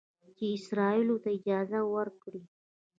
چې اسرائیلو ته اجازه ورکړي